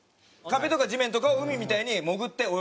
壁とか地面とかを海みたいに潜って泳げるんですよ。